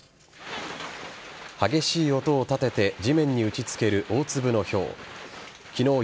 激しい音を立てて地面に打ち付ける大粒のひょう。